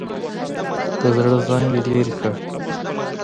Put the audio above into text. د زړه زنګ یې لرې کړ.